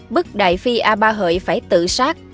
bức đại phi a ba hợi phải tự sát